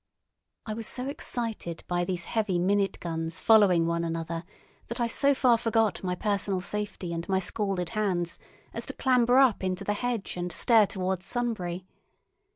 I was so excited by these heavy minute guns following one another that I so far forgot my personal safety and my scalded hands as to clamber up into the hedge and stare towards Sunbury.